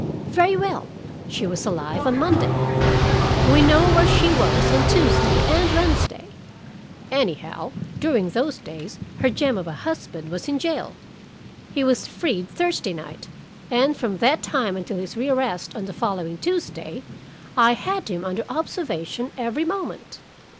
Very well: she was alive on Monday. We know where she was on Tuesday and Wednesday. Anyhow, during those days her gem of a husband was in jail. He was freed Thursday night, and from that time until his rearrest on the following Tuesday, I had him under observation every moment.